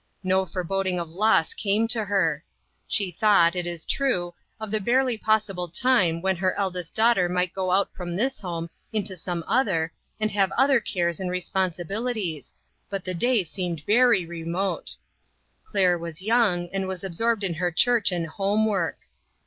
No foreboding of loss came to her. She thought, it is true, of the barely possible time when her eldest daugh ter might go out from this home into some other, and have other cares and responsibili ties, but the day seemed very remote. Claire was young, and was absorbed in her church and home work.